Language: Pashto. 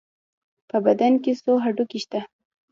په بدن کې څو هډوکي شته؟